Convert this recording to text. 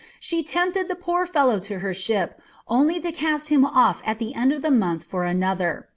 She tempted the poor fellow to her ship, only to cast him off at the end of a month for another.